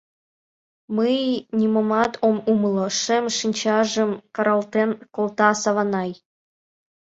Мый нимомат ом умыло, — шем шинчажым каралтен колта Саванай.